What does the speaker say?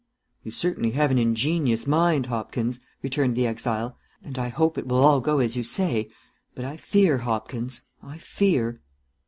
"You certainly have an ingenious mind, Hopkins," returned the exile, "and I hope it will all go as you say, but I fear, Hopkins, I fear."